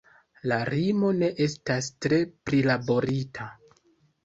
La rimo ne estas tre prilaborita.